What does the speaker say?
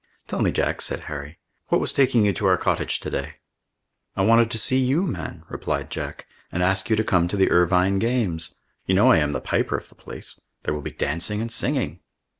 "Tell me, Jack," said Harry, "what was taking you to our cottage to day?" "I wanted to see you, man," replied Jack, "and ask you to come to the Irvine games. You know I am the piper of the place. There will be dancing and singing."